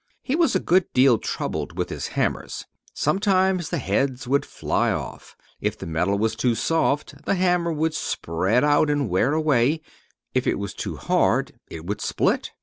He was a good deal troubled with his hammers. Sometimes the heads would fly off. If the metal was too soft, the hammer would spread out and wear away; if it was too hard, it would split.